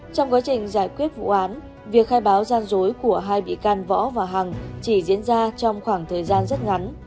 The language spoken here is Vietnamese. điều kết vụ án việc khai báo gian dối của hai bị can võ và hằng chỉ diễn ra trong khoảng thời gian rất ngắn